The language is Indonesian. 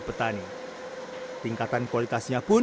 pembangunan durian ekspor